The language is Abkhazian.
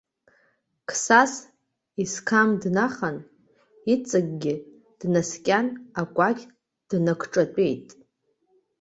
Қсас, исқам днахан, иҵегьгьы днаскьаны акәакь дныкҿатәеит.